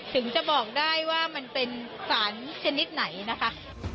ถึงจะบอกได้ว่ามันเป็นสารชนิดไหนนะคะ